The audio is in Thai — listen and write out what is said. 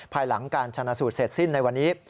ภายหลังการชนะสูตรเสร็จสิ้นในวันนี้